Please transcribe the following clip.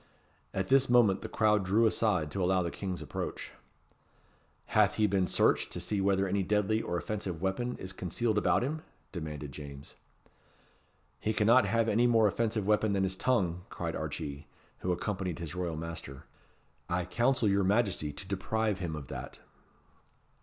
At this moment the crowd drew aside to allow the King's approach. "Hath he been searched to see whether any deadly or offensive weapon is concealed about him?" demanded James. "He cannot have any more offensive weapon than his tongue," cried Archee, who accompanied his royal master. "I counsel your Majesty to deprive him of that."